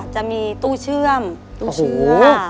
จะมีตู้เชื่อมตู้เชื่อมโอ้โฮ